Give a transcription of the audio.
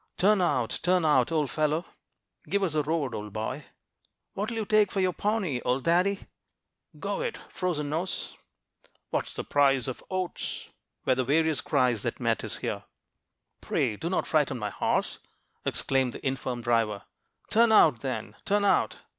"'Turn out, turn out, old fellow!' 'Give us the road, old boy!' 'What'll you take for your pony, old daddy?' 'Go it, frozen nose!' 'What's the price of oats?' were the various cries that met his ear. "'Pray, do not frighten my horse,' exclaimed the infirm driver. "'Turn out, then! Turn out!'